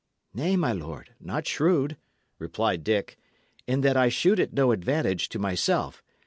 "Nay, my lord, not shrewd," replied Dick, "in that I shoot at no advantage to myself.